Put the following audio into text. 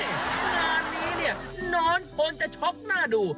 งานนี้เนี่ยนอนคนจะช็อกหน้าดู